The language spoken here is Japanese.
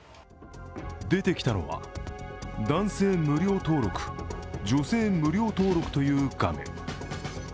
出てきたのは、男性無料登録、女性無料登録という画面。